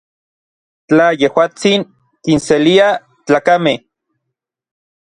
Tla yejuatsin kinselia tlakamej.